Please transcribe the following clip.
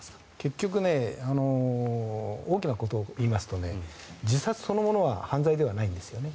結局大きなことを言いますと自殺そのものは犯罪ではないんですよね。